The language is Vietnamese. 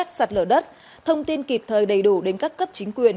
các tỉnh thành phố theo dõi chặt lở đất thông tin kịp thời đầy đủ đến các cấp chính quyền